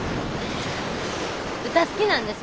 歌好きなんです。